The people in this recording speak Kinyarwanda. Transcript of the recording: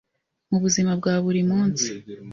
mu buzima bwa buri munsi